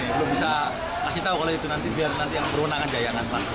saya belum bisa kasih tau kalau itu nanti biar nanti yang perwenangan jayangan